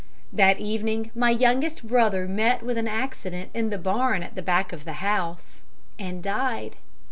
"That evening my youngest brother met with an accident in the barn at the back of the house, and died.